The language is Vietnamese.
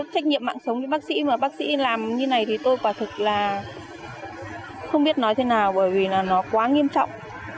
trách nhiệm mạng sống cho bác sĩ mà bác sĩ làm như này thì tôi quả thực là không biết nói thế nào bởi vì là nó quá nghiêm trọng